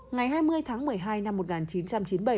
ngày hai mươi tháng một mươi hai năm một nghìn chín trăm chín mươi bảy